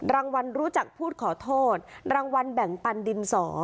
รู้จักพูดขอโทษรางวัลแบ่งปันดินสอ